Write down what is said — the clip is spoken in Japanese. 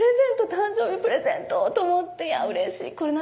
誕生日プレゼントと思ってうれしいこれ何？